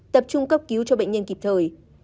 tập trung cấp cứu cho bệnh nhân kịp thời